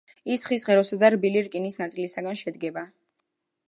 ის ხის ღეროსა და რბილი რკინის ნაწილისგან შედგება.